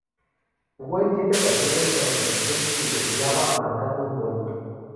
Jugó en siete ocasiones con la selección yugoslava, marcando un gol.